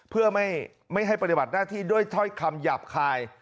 เพื่อไม่ให้ปฏิบัติหน้าที่ด้วยถ้อยคำหยาบคาย